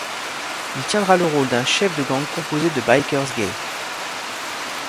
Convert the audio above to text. Il tiendra le rôle d'un chef de gang composé de bikers gays.